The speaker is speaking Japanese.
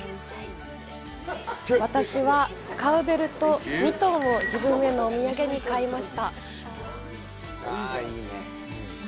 私は、カウベルとミトンを自分へのお土産に買いました。